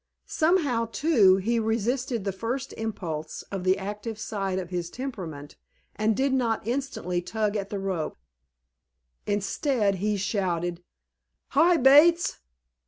Somehow, too, he resisted the first impulse of the active side of his temperament, and did not instantly tug at the rope. Instead, he shouted:— "Hi, Bates!"